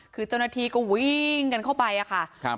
คือเจ้าหน้าที่ก็วิ่งกันเข้าไปอะค่ะครับ